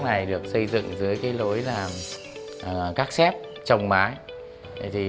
căn gác này được xây dựng dưới cái lối làm các xép trong mái